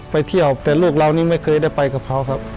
ไปเที่ยวแต่ลูกเรานี่ไม่เคยได้ไปกับเขาครับ